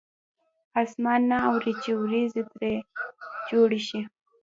اسمان نه اوري چې ورېځې ترې جوړې شي.